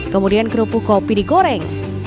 kemudian kerupuk kopi digoreng